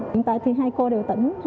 hiện tại thì hai cô đều tỉnh